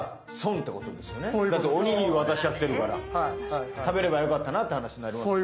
だっておにぎり渡しちゃってるから食べればよかったなって話になりますよね。